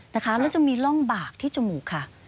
แล้วจะมีร่องบากที่จมูกค่ะ